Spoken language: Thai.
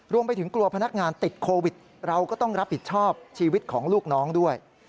รวมไปถึงกลัวพนักงานติดโควิดเราก็ต้องรับผิดชอบชีวิตของลูกน้องด้วย